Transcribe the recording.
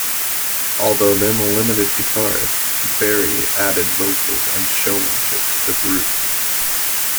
Although then a limited guitarist, Berry added vocals and showmanship to the group.